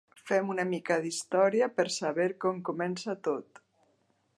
Fem una mica d'història per saber com comença tot.